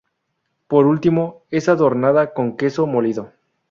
Por último es adornada con queso molido.